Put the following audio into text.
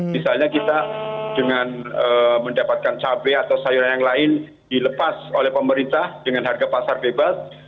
misalnya kita dengan mendapatkan cabai atau sayuran yang lain dilepas oleh pemerintah dengan harga pasar bebas